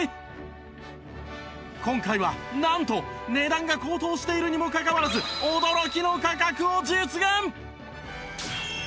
今回はなんと値段が高騰しているにもかかわらず驚きの価格を実現！